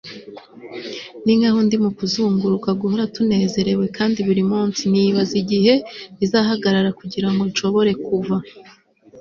ninkaho ndi mukuzunguruka guhora tunezerewe, kandi burimunsi, nibaza igihe bizahagarara kugirango nshobore kuva